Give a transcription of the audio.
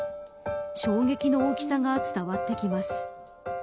衝撃の大きさが伝わってきます。